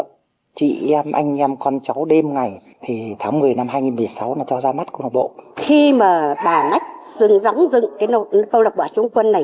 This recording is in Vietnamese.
khi mà bà mách dẫn dõng dựng cơ lộ bộ hát chống quân này